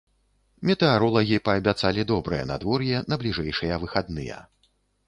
Метэаролагі паабяцалі добрае надвор'е на бліжэйшыя выхадныя.